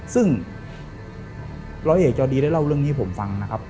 ซึ่งร้อยเอกจอดีได้เล่าเรื่องนี้ให้ผมฟังนะครับ